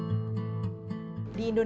saya juga sering menysapir apa yang diolah